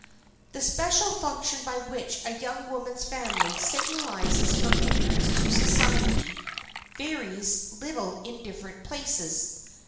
The special function by which a young woman's family signalizes her entrance to society varies little in different places.